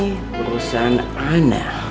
ini perusahaan anak